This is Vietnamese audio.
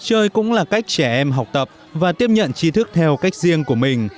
chơi cũng là cách trẻ em học tập và tiếp nhận trí thức theo cách riêng của mình